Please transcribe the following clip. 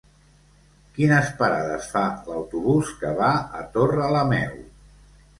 Quines parades fa l'autobús que va a Torrelameu?